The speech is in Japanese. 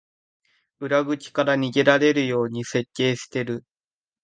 裏口から逃げられるように設計してる